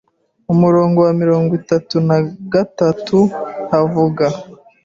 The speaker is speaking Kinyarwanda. umurongo wa mirongo itatu na gatatu havuga,